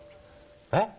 えっ？